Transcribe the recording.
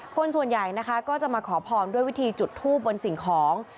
คนส่วนใหญ่นะคะก็จะมาขอพรด้วยวิธีจุดทูบบนสิ่งของ